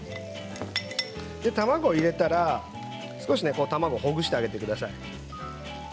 卵を入れたら卵を少しほぐしてあげてください。